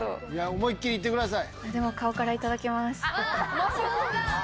思いっ切り行ってください。